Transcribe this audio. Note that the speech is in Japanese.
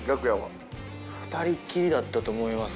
２人っきりだったと思います。